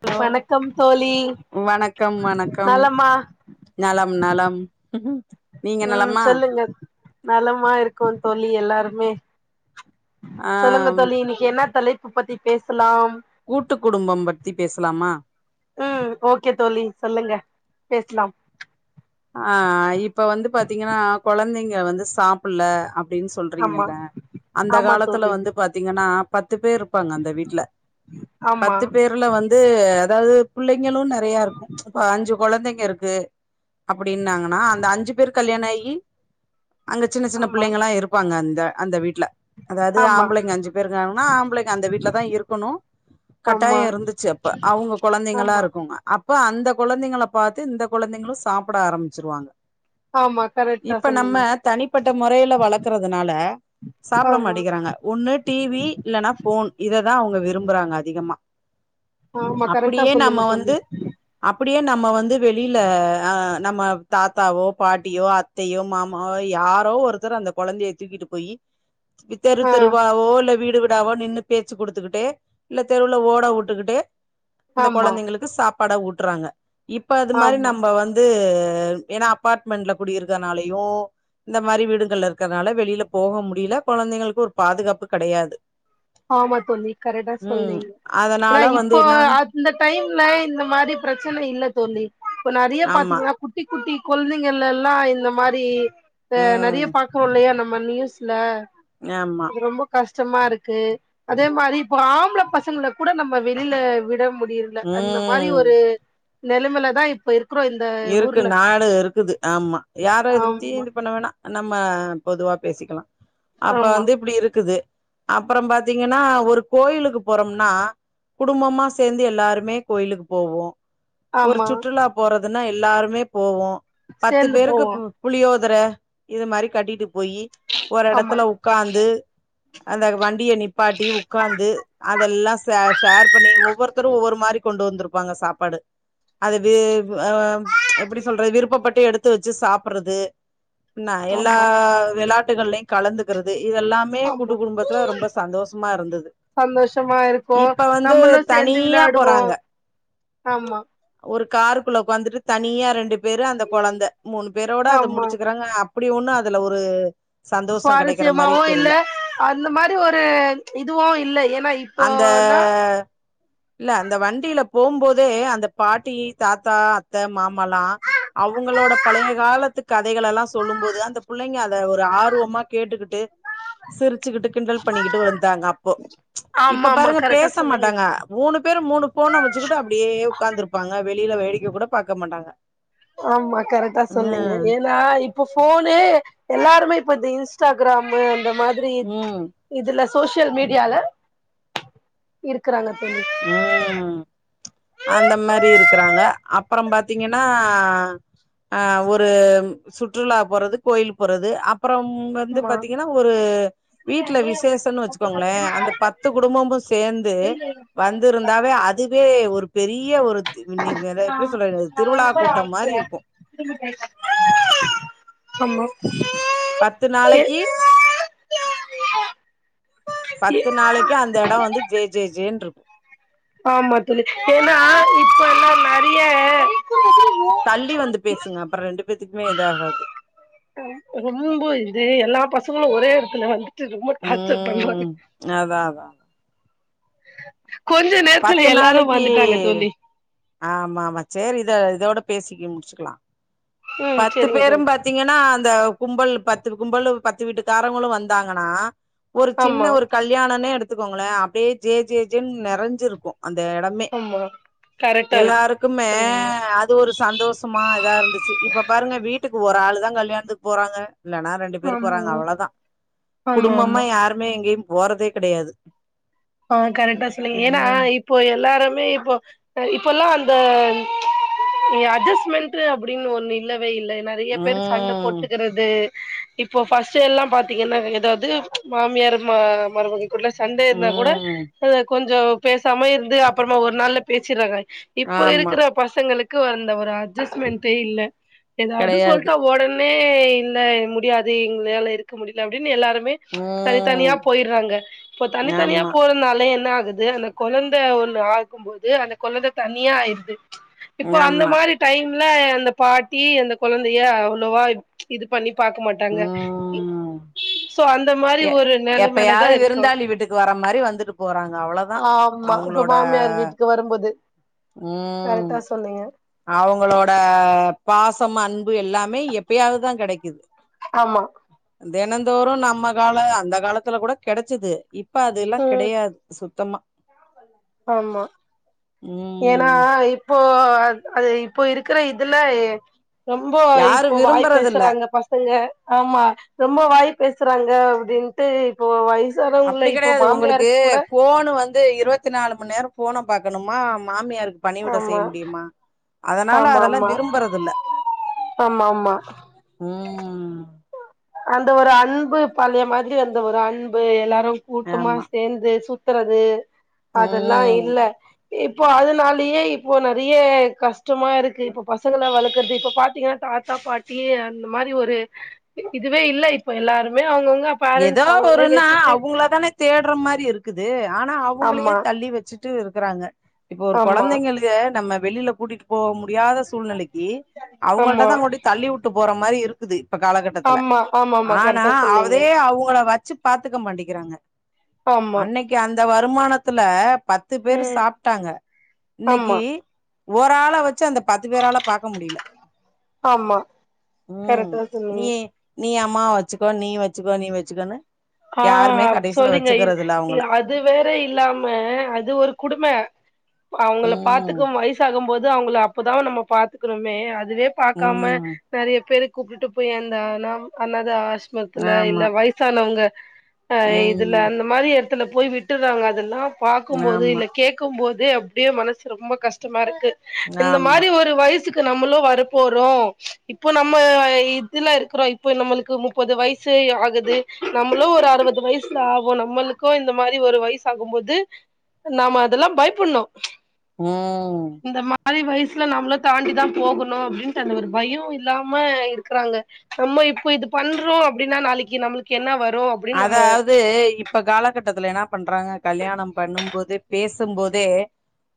hello வணக்கம் தோழி வணக்கம் வணக்கம் நலமா நலம் நலம் நீங்க ம் நலமா சொல்லுங்க நலமா இருக்கோ தோழி எல்லாருமே ஆ சொல்லுங்க தோழி இன்னைக்கி என்னா தலைப்பு பத்தி பேசலாம் கூட்டு குடும்பம் பத்தி பேசலாமா ம் ஓகே தோழி சொல்லுங்க பேசலாம் ஆ இப்ப வந்து பாத்தீங்கன்னா கொழந்தைங்க வந்து சாப்புல்ல அப்டின்னு ஆமா சொல்றீங்கல்ல அந்த ஆமா காலத்துல தோழி வந்து பாத்தீங்கன்னா பத்து பேர் இருப்பாங்க அந்த வீட்ல ஆமா பத்து பேர் ல வந்து அதாவது புள்ளைங்களும் நறைய இருக்கும் இப்ப அஞ்சு குழந்தைங்க இருக்கு அப்டின்னாங்கன்னா அந்த அஞ்சு பேர் கல்யாணம் ஆகி அங்க சின்ன சின்ன ஆமா பிள்ளைங்களாம் இரு ப்பாங்க அந்த அந்த வீட்ல அதாது ஆமா ஆம்பளைங்க அஞ்சு பேருக்காங்கன்னா ஆம்பளைங்க அந்த வீட்ல தான் இருக்கணும் ஆமா கட்டாயம் இருந்துச்சு அப்ப அவுங்க குழந்தைங்களா ஆமா இருக்குங்க அப்ப அந்த கொழந்தைங்க பாத்து இந்த கொழந்தைங்களும் சாப்ட ஆரம்பிச்சிருவாங்க ஆமா கரேட் இப்ப நம்ம தனிப்பட்ட முறையில வளக்குறதுனால சாப்புட ஆமா மாட்டேக்கிறாங்க ஒண்ணு டி வி இல்லன்னா ஃபோன் இததான் அவுங்க விரும்புறாங்க அதிகமா ஆமா கரெக்டா அப்படியே நம்ம சொல்லுங்க தோழி வந்து அப்படியே நம்ம வந்து வெளியில நம்ம தாத்தாவோ பாட்டியோ அத்தையோ மாமாவோ யாரோ ஒருத்தர் அந்த கொழந்தைய தூக்கிட்டு போய் யி தெரு ஆ தெருவாவோ வீடு நாலு நின்னு பேச்சு கொடுத்துக்கிட்டு இல்ல தெருவில ஓட விட்டுக்கிட்டு அந்த ஆமா கொழந்தைங்களுக்கு சாப்பாட ஊட்டுறாங்க இப்ப அது மாரி ஆமா நம்ப வந்து வந்து ஏன்னா அப்பார்ட்மெண்ட்ல குடி இருக்கனாலயும் இந்த மாரி வீடுகள் இருக்கறனால வெளியில போக முடில கொழந்தைங்களுக்கு ஒரு பாதுகாப்பு கடயாது ஆமா தோழி கரெக்டா சொல்லீங்க ஏன்னா அதனால வந்து இப்போ என்னனா அந்த டைம்ல இந்த மாரி பிரச்சன இல்ல தோழி இப்ப நறைய ஆமா பாத்தீங்கன்னா குட்டி குட்டி கொழந்தைகள் எல்லாம் இந்த மாரி நறைய ம் பா இருக்கோம் இல்லையா நம்ம நியூஸ்ல ஆமா ரொம்ப கஷ்டமா இருக் க்கு அதே மாரி இப்போ ஆம்பள பசங்கள கூட நம்ப வெளியில விட முடில அந்த மாரி ம் ஒரு நலைமில தான் இப்ப இருக்கு இருக்கு நாடே இருக்குது ஆமா யாரோ இத பத்தி ஆமா இது பண்ண வேணாம் நம்ம பொதுவா பேசிக்கலாம் அப்ப ஆமா வந்து இப்டி இருக்குது அப்புறோம் பாத்தீங்கன்னா ஒரு கோயிலுக்கு போறோம்னா குடும்பமா சேந்து எல்லாருமே கோயிலுக்கு போவோம் ஒரு ஆமா சுற்றுலா போறதுன்னா எல்லாருமே போவோம் பத்து சேந்து பேருக்கு போவோ புளியோதர இது மாரி கட்டிட்டு போயி ஒரு ஆமா இடத்துல உக்காந்து அந்த வண்டிய நிப்பாட்டி உக்காந்து அதெல்லாம் ஷ ஷேர் பண்ணி ஒவ்வொருத்தரும் ஒவ்வொரு மாரி கொண்டு வந்திருப்பாங்க சாப்பாடு அதுது ஹ எப்டி சொல்றது விருப்பப்பட்டு எடுத்து வெச்சு சாப்புடுறது ன்ன எல்லா ஆமா வெளயாட்டுகளையும் கலந்துகிறது இதெல்லாம் மே குடு ஆமா குடும்பத்துல ரொம்ப சந்தோஷமா இருந்தது சந்தோஷமா இருக்கோம் இப்ப வந்து நம்மளும் சேர்ந்து தனியா போறாங்க விளையாடுவோம் ஆமா ஒரு காருக்குள்ள உக்காந்துட்டு தனியா ரெண்டு பேரு அந்த குழந்த மூணு பேரோட அத ஆமா முடிச்சுக்கிறாங்க அப்டி ஒண்ணும் அதுல ஒரு சந்தோஷோ கெடைக்கிற மாரி சுவாரஸ்யமாவும் இல்ல தெரில அந்த மாரி ஒரு இதுவும் இல்ல ஏன்னா அந்த இப்போனா இல்ல அந்த வண்டியில போம் மோதே அந்த பாட்டி தாத்தா அத்த மாமால்லாம் அவுங்களோட பழய காலத்து கதைகள் எல்லாம் சொல்லும் மோது அந்த பிள்ளைங்க அத ஒரு ஆர்வமா கேட்டுக்கிட்டு சிரிச்சுக்கிட்டு கிண்டல் பண்ணிக்கிட்டு வந்தாங்க அப்போ ஆமா இப்ப ஆமா பாருங்க கரெக்டா பேச சொன்னீங்க மாட்டாங்க மூணு பேரும் மூணு ஃபோனை வச்சுக்கிட்டு அப்டியே உட்காந்துருப்பாங்க வெளியில வேடிக்கை கூட பாக்க மாட்டாங்க ஆமா கரெக்டா சொன்னீங்க ம் ஏனா இப் ப ஃபோனுே எல்லாருமே இப்ப இந்த இன்ஸ்டாகிராமு அந்த மாதிரி ம் இதுல சோசியல் மீடியால இருக்கறாங்க தோழி ம் அந்த மாதிரி இருக்கறாங்க அப்றோ பாத்தீங்கன்னா ஆ ஒரு சுற்றுலா போறது கோயில் போறது அப்றம் ம் வந்து ஆமா பாத்தீங்கன்னா ஒரு வீட்டுல விசேஷன்னு வச்சுக்கோங்களே அந்த பத்து குடும்பமு சேர்ந்து வந்திருந்தாவே அதுவே ஒரு பெரிய ஒரு இன்னைக்கு வர எப்டி சொல்றது திருவிழா கூட்டம் மாதிரி இருக்கு ஆமா பத்து நாளைக்கு பத்து நாளைக்கு அந்த இடம் வந்து ஜே ஜே ஜேன்னு இருக்கு ஆமா தோழி ஏனா இப்ப எல்லா நெறைய தள்ளி வந்து பேசுங்க அப்றம் ரெண்டு பேத்துக்குமே இது ஆகாது ரொம்ப இது எல்லா பசங்களு ஒரே இடத்துல வந்து ம் அத அதா கொஞ்ச நேரத்துல பத்து எல்லாரு நாளைக்கி வந்துட்டாங்க தோழி ஆமா ஆமா சேரி இத இதோட பேசிக்க முடிச்சுக்கலா ம் பத்து செரிங்க பேரும் தோழி பத் பாத்தீங்கன்னா அந்த கும்பல் பத்து கும்பல் பத்து வீட்டுக்காரவங்களு வந்தாங்கன்னா ஒரு ஆமா சின்ன ஒரு கல்யாணனே எடுத்துக்கோங்களே அப்டியே ஜே ஜே ஜேன்னு நெறைஞ்சிருக்கு அந்த இடமே ஆமா கரெக்டா இருக்கு எல்லாருக்குமே சொன்னீங்க அத் ஒரு சந்தோஷமா இதா இருந்துச்சு இப்ப பாருங்க வீட்டுக்கு ஒரு ஆள் தா கல்யாணத்துக்கு போறாங்க இல்லனா ரெண்டு பேர் ஆமா போறாங்க அவ்ளதா ஆமா குடும்பமா ஆமா யாருமே எங்கேயு போறதே கிடையாது ஆ கரெக்டா சொன்னிங்க ஏனா இப்போ எல்லாருமே இப்போ ல்லா அந்த அட்ஜஸ்ட்மெண்ட் அப்டின்னு ஒண்ணு இல்லவே இல்ல நெறைய பேர் சண்ட போட் ம் டுக்கறது இப்போ ப்ர்ஸ்ட் எல்லா பாத்தீங்கன்னா ஏதாவது மாமியார் மருமக உள்ள சண்டேயே இருந்தா கூட ம் அத கொஞ்சோ பேசாம இருந்து அப்றமா ஒரு நாள்ல பேசியறாங்க இப்போ ஆமா இருக்கிற பசங்களுக்கு வந்த ஒரு அட்ஜஸமெண்டே இல்ல ஏதாவது கெடையாது சொல்லட்டா உடனே இல்ல முடியாது எங்களால இருக்க முடியல அப்டின்னு எல்லாருமே தனித்தனியா ம் போயிறாங்க இப்போ தனித்தனியா ஆமா போறனால என்ன ஆகுது அந்த கொழந்தை ஒண்ணு ஆக்குபோது அந்த கொழந்த தனியா ஆயிடுது இப்ப அந்த ஆமா மாரி டைம்ல அந்த பாட்டி அந்த கொழந்தைய அவ்ளோவா இது பண்ணி பாக்க மாட்டா ங்க ம் சோ அந்த மாரி ஒரு நிலமைலதா இருக்கோ இக்கு வர மாரி வந்துட்டு போறாங்க அவ்ளதா ஆமா இப்ப அவங்களோட மாமியார் வீட்டுக்கு வரும்போது ம் கரெக்டா சொன்னீங்க அவங்களோட பாசம் அன்பு எல்லாமே எப்பயாவதுதா கெடைக்குது ஆமா தினந்தோறு நம்ம கால அந்த காலத்துல கூட கெடைச்சது இப்பா அதெல்லா ம் கிடையாது சுத்தமா ஆமா ம் ஏனாப் இப்போ அது இப்போ இருக்கிற இதுல ஏ ரொம்போ யாரு இப்போ வாய் விரும்புறதில்ல பேசுறாங்க பா தங்க ஆமா ரொம்ப வாய் பேசுறாங்க அப்டின் அப்டி கெடையாது உங்ளுக்கு மாமியாருக்கு கூட போனு வந் து இருவத்தி நாலு மணி நேரோ போன பாக்கணுமா மாமியார் பணிவிட செய்ய ஆமா முடியுமா அதனால ஆமா அதெல்லா ஆமா விரும்புறது இல்ல ஆமா ஆமா உம் அந்த ஒரு அன்பு பழைய மாதிரி அந்த ஒரு அன்பு எல்லாரு கூட்டமா ஆமா சேர்ந்து சுத் றது அதெல்லா ம் இல்ல இப்போ அதனாலயே இப்போ நறைய கஷ்டமா இருக்கு இப்ப பசங்க வளர்க்கறது இப்ப பாத்தீங்னா தாத் த்தா பாட்டி அந்த மாதிரி ஒரு இதுவே இல்ல இப்ப எல்லாருமே அவுங்க அவுங்க ஏதோ ஒருன்னா அவங்கள தானே தேடுற மாதிரி இருக்குது ஆனா அவங்களையே ஆமா தள்ளி வச்சிட்டு இருக்றாங்க இப்ப ஒரு ஆமா கொழந்தைங்களுக் த நம்ம வெளியில கூட்டிட்டு போ முடியாத சூழ்நிலைக்கு அவுங்கள்ட ஆமா தா கொண்டி தள்ளி உட்டு போற மாரி இருக்குது இப்ப காலகட்டத்துல ஆமா ஆமா ஆமா ஆனா கரெக்டா அவத் சொன்னீங்க அதே அவங்கள வச்சி பாத்துக்க மாண்டிக்கிறாங்க ஆமா அன்னைக்கு அந்த வருமான த்துல பத்து பேரு ம் சாப்டாங்க இன்னைக்கி ஆமா ஒராள வச்சி அந்த பத்து பேரால பாக்க முடியல ஆமா உம் கரெக்டா சொன்னீங்க நீ அம்மாவ வச்சிகோ நீ வச் சிகோ நீ வச்சிகோனு ஆ சொல்லுங்க இது இல்ல அவங்கள அது அது வேற இல்லாம அது ஒரு குடுமை அவங்கள ம் பாத்துக்கும் வயசாகும் போது அவங்கள அப்பதா நம்ம பாத்துக்கணுமே அதுவே பாக்காம ம் நறைய பேரு கூப்டு போய் அந்த அனாம் அனாத ஆசரமத்துல ஆமா இல்ல வயசானவங்க அ இதுல ம் அந்த மாதிரி எடத்துல போய் விட்டுறாங்க அதெல்லா பாக்கும்போது ஆமா இல்ல கேக் கும் போது அப்டியே மனசு ரொம்ப கஷ்டமா இருக்கு இந்த ஆமா மாதிரி ஒரு வயசு சிக்கு நம்ளும் வர போறோ இப்போ நம்ம வ இதுல்ல இருக்கிறோ இப்போ நம்ளுக்கு முப் பது வயசு ஆகுது நம்மளு ஒரு அறுவது வயசுல ஆகு நம்மளுக்கு இந்த மாதிரி ஒரு வயசு ஆகும் போது நாம அதெல்லா பயபுன்னு உம் இந்த மாதிரி வயசுல நம்மளு தாண்டி தா போகணு அப்டின்னுட்டு அந்த ஒரு பயோ இல்லாம இருக்றாங்க நம்ம இப்ப இது பண்றோ அப்டின்னா நாளைக்கு நம்ளுக்கு என்ன வரு அப்டின்னு நம்ம அதாவது இப் ப காலகட்டத்துல என்ன பண்றாங்க கல்யாணம் பண்ணும் போது பேசும் போதே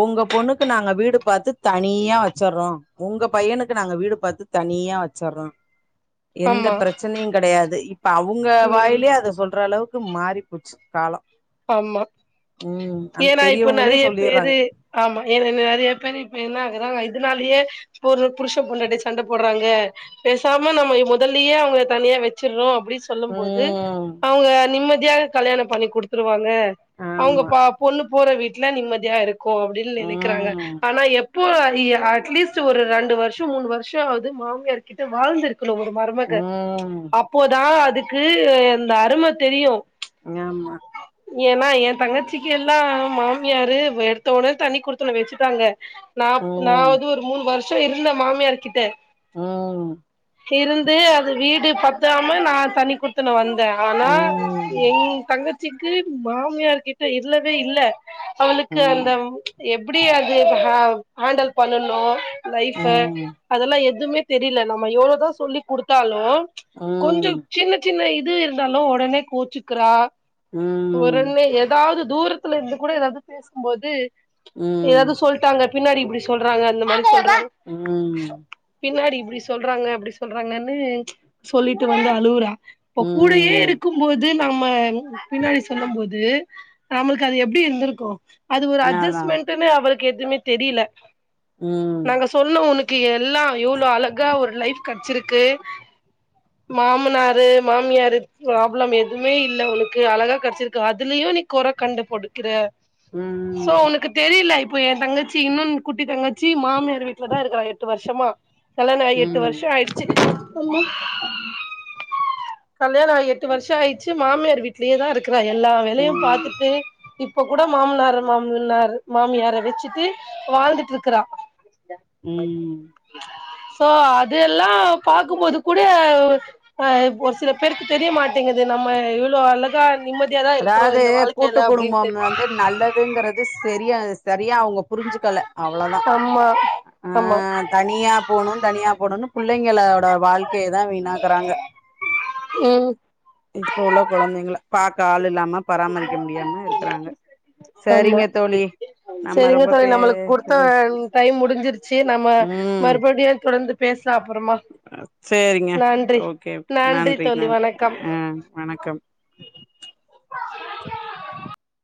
உங்க பொண்ணுக்கு நாங்க வீடு பாத்து தனியா வச்சறறோ உங்க பையனுக்கு நாங்க வீடு பாத்து தனியா வச்சறறோ எந்த ஆமா பிரச்சனையு கெடையாது இப்ப அவங்க வாயில் ம் அது சொல்ற அளவுக்கு மாறிப்போச்சு காலோ ஆமா ம் அந்த ஏனா இப்ப பெரியவங்களே நறைய சொல்லிர்றாங்க பேரு ஆமா ஏர் என்ன நறைய பேர் இப்ப என்ன ஆகுறாங்க இதனாலயே ஒரு புருஷ பொன்டாட்டி சண்ட போடுறாங்க பேசாம நம்ம முதல்லயே அவங்க தனியா வச்சிறோம் இபுடி சொல்லும் போது ம் அவுங்க நிம்மதியாக கல்யாண பண்ணி குடுத்துருவாங்க அவுங்க ஆமா பா பொண்ணு போற வீட்டுல நிம்மதியா இருக்கு அப்படின் நெனைக்கிறாங்க ம் ஆனா எ இப்போ இ அட்லீஸ்ட் ஒரு ரெண்டு வர்ஷோ மூணு வர்ஷோ ஆவது மாமியார் கிட்ட வாழ்ந்திரு குணு ஒரு மருமக ம் அப்போதா அதுக்கு இந்த அரும தெரியு ஞாமா ஏனா எ தங்கச்சிக்கெல்லா மாமியாரு எடுத்தோடனே தனி குடுத்தன வெச்சுட்டாங்க நா நா ம் வது ஒரு மூணு வர்ஷோ இருந்த மாமியார்க்கிட்ட ம் இருந்து அது வீடு பத்தாம நா தனி குத்துன வந் த ம் ஆனா ம் என் தங்கச்சிக்கு மாமியார் கிட்ட இர்லவே இல்ல அவளுக்கு அந்த ம் எப்புடி அது ஹ ஹண்டல் பண்ணணு லைஃப ம் அதெல்லா எதுமே தெரில நம்ம எவ்ளோ தா சொல்லி குடுத்தாலு கொஞ்ச சின்ன சின்ன இது இருந்தாலு உடனே கோச்சுக்கிறா ம் உடனே எதாவது தூரத்துல இருந்து கூட எதாவது பேசும்போது ம் எதாவது சொல் டாங்க பின்னாடி இப்டி சொல்றாங்க அந்த மாதி சொல்ற ம் பின்னாடி இப்டி சொல்றாங்க அப்டி சொல்றாங்கன்னு சொல்லிட்டு வந்து அலவுரா ப கூடேயே ம் இரு கும்போது நம்ம பின்னாடி சொல்லும் போது நம்ளுக்கு அது எப்டி இருந்திருக்கு அது ஒரு அதா அஜஸ்மெண்ட்ன்னு அவளுக்கு எதுவுமே தெரில ம் சொன்னோ ஒனக்கு எல்லா எவ்ளோ அழகா ஒரு லைஃப் கெடச்சிருக்கு மாமனாரு மாமியாரு ப்ராப்ளம் எதுவுமே இல்ல ஒனக் கு அழகா கெடச்சிருக்கு அதுலயு நீ கொற கண்டுபிடிக்குற ம் சோ ஒனுக்கு தெரில இப்போ எ தங்கச்சி இன்னொன் குட்டி தங்கச்சி மாமியார் வீட்டுல தா இருக்குறா எட்டு வர்ஷமா கல்யாண ஆகி எட்டு வர்ஷ ஆயிடுச்சு கல்யாண ஆகி எட்டு வர்ஷ ஆயிட்ச்சு மாமியார் வீட்லயே தா இருக் கிறா எல்லா வேலையு ம் பாத்துட்டு இப்ப கூட மாமனார மாமனார் மாமியார வெச்சிட்டு வாழ்ந்துட்டுருக்குறா ம் சோ அது எல்லா பாக்கும்போது கூட அ இப்ப ஒரு சில பேருக்கு தெரியமாட்டேங்குது நம்ம எவ்ளோ அழகா நிம்மதியாதா இருக்குறோ அதாவ்து இந்த கூட்டு வாழ்க்கையில அப்டின்ட்டு குடும்பம் வந்து நல்ல துங்குறது செரிய சரியா அவுங்க புரிஞ்சுக்கல அவ்ளோதா ஆமா ஆ ஆமா தனியா போணு தனியா போணுன்னு புள்ளைங்களோட வாழ்க்கையைதா வீணாக்குறாங்க ம் இப்ப உள்ள கொழந்தைங்கள பாக்க ஆள் இல்லாம பராமரிக்க முடியாம இருக்கிறாங்க சரிங்க தோழி சரிங்க ரொம்ப தோழி பே நம்மளுக் குடுத்த டைம் முடிஞ்சிருச்சு நம்ம ம் மறுபடியு தொடர்ந்து பேஸ்லா அப்புறமா சேரிங்க நன்றி ஓகே நன்றி தோழி நன்றி வணக்கம் ஆ வணக்கம்